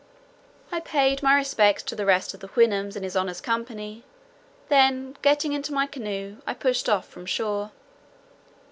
I paid my respects to the rest of the Houyhnhnms in his honour's company; then getting into my canoe, I pushed off from shore.